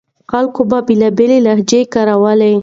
خلک به بېلابېلې لهجې کارولې.